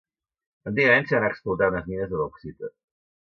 Antigament s’hi van explotar unes mines de bauxita.